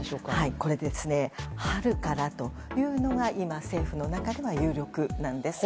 これ、春からというのが今、政府の中では有力なんです。